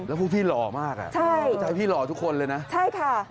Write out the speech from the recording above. แล้วผู้พี่หล่อมากใช่ใช่ค่ะ